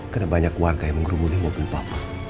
kena banyak warga yang menggerumuni mobil papa